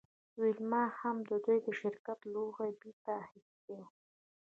ویلما هم د دوی د شرکت لوحه بیرته اخیستې وه